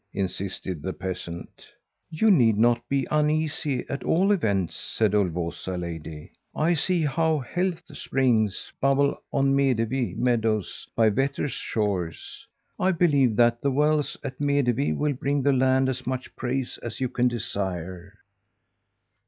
insisted the peasant. "'You need not be uneasy at all events,' said Ulvåsa lady. I see how health springs bubble on Medevi meadows, by Vätter's shores. I believe that the wells at Medevi will bring the land as much praise as you can desire.'